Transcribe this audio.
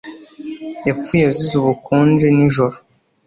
Yapfuye azize ubukonje nijoro